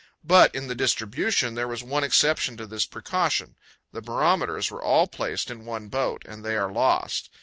But, in the distribution, there was one exception to this precaution the barometers were all placed in one boat, and they are lost!